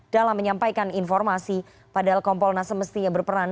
dalam menyampaikan informasi padahal kompolnas semestinya berperan